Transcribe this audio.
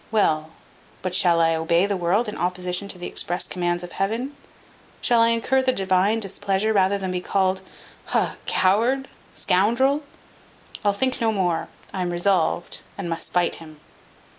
Well, but shall I obey the world in opposition to the express commands of Heaven? Shall I incur the Divine displeasure rather than be called ha coward scoundrel? I'll think no more; I am resolved, and must fight him."